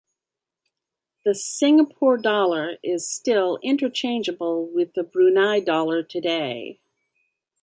The Singapore dollar is still interchangeable with the Brunei dollar today.